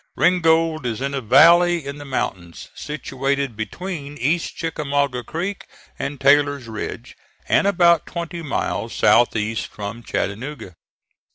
Ringgold is in a valley in the mountains, situated between East Chickamauga Creek and Taylor's Ridge, and about twenty miles south east from Chattanooga.